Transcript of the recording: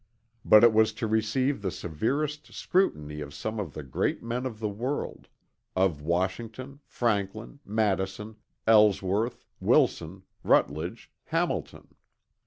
But it was to receive the severest scrutiny of some of the great men of the world, of Washington, Franklin, Madison, Ellsworth, Wilson, Rutledge, Hamilton.